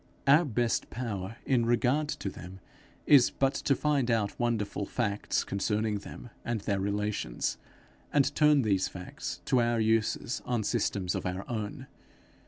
Our best power in regard to them is but to find out wonderful facts concerning them and their relations, and turn these facts to our uses on systems of our own.